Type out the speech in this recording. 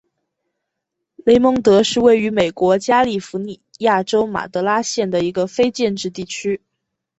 雷蒙德是位于美国加利福尼亚州马德拉县的一个非建制地区。